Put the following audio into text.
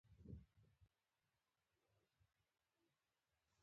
لا مسلمان شوی نه دی.